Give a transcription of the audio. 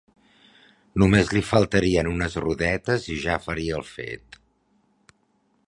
Només li faltarien unes rodetes i ja faria el fet.